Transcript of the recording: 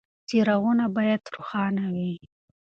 څراغونه باید روښانه وي.